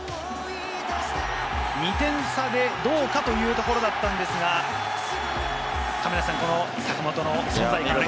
２点差でどうかというところだったんですが、この坂本の存在。